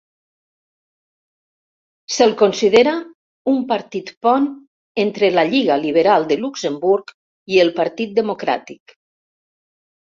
Se'l considera un partit pont entre la Lliga Liberal de Luxemburg i el Partit Democràtic.